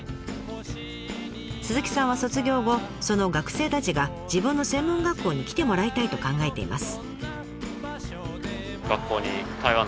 鈴木さんは卒業後その学生たちが自分の専門学校に来てもらいたいと考えています。